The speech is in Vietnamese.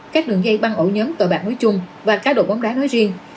các đường dây băng ổ nhóm tội bạc nói chung và các đội bóng đá nói riêng